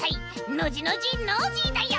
ノジノジノージーだよ！